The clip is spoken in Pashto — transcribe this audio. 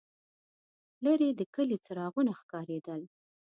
لرې د کلي څراغونه ښکارېدل.